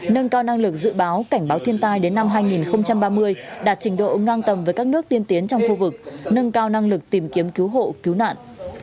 nâng cao năng lực dự báo cảnh báo thiên tai đến năm hai nghìn ba mươi đạt trình độ ngang tầm với các nước tiên tiến trong khu vực nâng cao năng lực tìm kiếm cứu hộ cứu nạn